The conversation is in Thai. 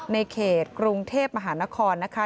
ในเขตกรุงเทพมหานครนะคะ